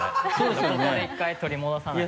ここで１回取り戻さないと。